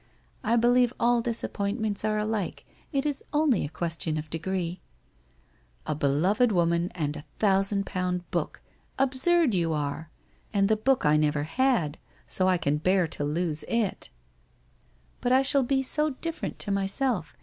I believe all disappointments are alike, it is only a question of degree.' ' A beloved woman and a thousand pound book ! Ab surd you are ! And the book I never had, so I can bear to lose it.' 316 WHITE ROSE OF WEARY LEAF ' But I shall be so different to myself.